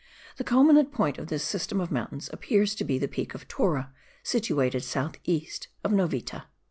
The culminant point of this system of mountains appears to be the Peak of Torra, situated south east of Novita.